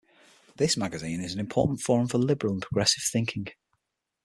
This magazine is an important forum for liberal and progressive thinking.